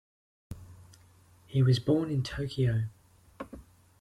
He was born in Tokyo.